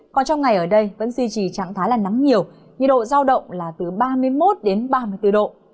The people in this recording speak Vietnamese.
còn trong ngày ở đây vẫn duy trì trạng thái là nắng nhiều nhiệt độ giao động là từ ba mươi một đến ba mươi bốn độ